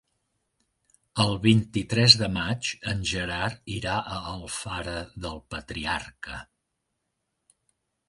El vint-i-tres de maig en Gerard irà a Alfara del Patriarca.